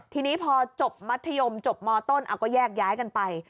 ทีนี้พอจบมัธยมจบมต้นเอาก็แยกย้ายกันไป